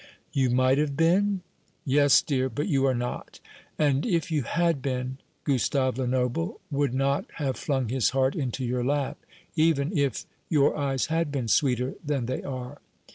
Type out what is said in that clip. "You might have been? yes, dear, but you are not. And if you had been, Gustave Lenoble would not have flung his heart into your lap, even if your eyes had been sweeter than they are.